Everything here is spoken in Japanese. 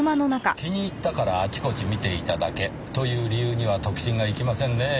気に入ったからあちこち見ていただけという理由には得心がいきませんねぇ。